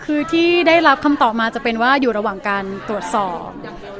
คือที่ได้รับคำตอบมาจะเป็นว่าอยู่ระหว่างการตรวจสอบ